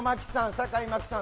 坂井真紀さん